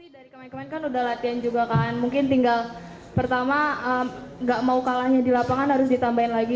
dari kemarin kemarin kan udah latihan juga kan mungkin tinggal pertama gak mau kalahnya di lapangan harus ditambahin lagi